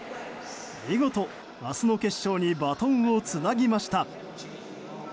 見事、明日の決勝にバトンをつなぎました。